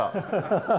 ハハハハ。